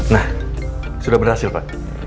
nah sudah berhasil pak